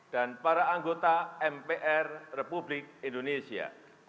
dan para anggota mpr republik indonesia